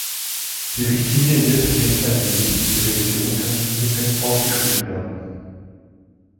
Die Richtlinie indes klemmt allmählich, und die Revision kann nicht unbegrenzt aufgeschoben werden.